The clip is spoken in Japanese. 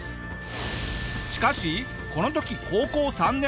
しかしこの時高校３年。